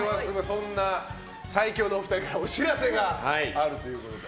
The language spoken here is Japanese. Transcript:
そんな最強のお二人からお知らせがあるということで。